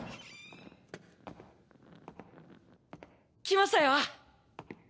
来ましたよ！